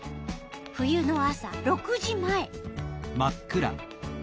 冬の朝６時前。